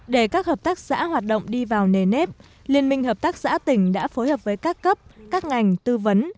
để các hợp tác xã hoạt động đi vào nề nếp liên minh hợp tác xã tỉnh đã phối hợp với các cấp các ngành tư vấn